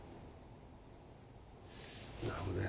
なるほどね。